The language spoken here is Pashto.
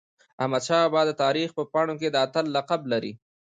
احمدشاه بابا د تاریخ په پاڼو کي د اتل لقب لري.